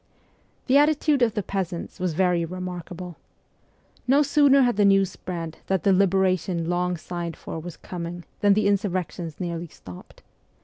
The attitude of the peasants was very remarkable. No sooner had the news spread that the liberation long sighed for was coming than the insurrections nearly stopped.